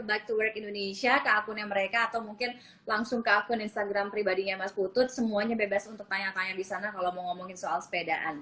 bike to work indonesia ke akunnya mereka atau mungkin langsung ke akun instagram pribadinya mas putut semuanya bebas untuk tanya tanya di sana kalau mau ngomongin soal sepedaan